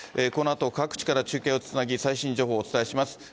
このあと、各地から中継をつなぎ、最新情報をお伝えします。